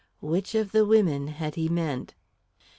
Which of the women had he meant?